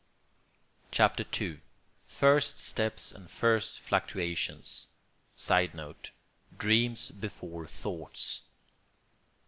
CHAPTER II—FIRST STEPS AND FIRST FLUCTUATIONS [Sidenote: Dreams before thoughts.